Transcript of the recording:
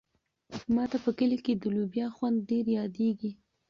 ما ته په کلي کې د لوبیا خوند ډېر یادېږي.